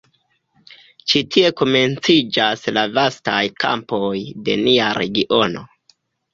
Ĉi tie komenciĝas la vastaj kampoj de nia regiono.